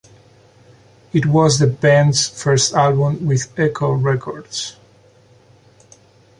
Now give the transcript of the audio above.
It was the band's first album with Echo Records.